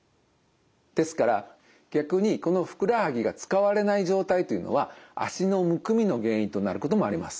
ですから逆にこのふくらはぎが使われない状態というのは足のむくみの原因となることもあります。